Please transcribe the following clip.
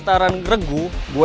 citra jawab gue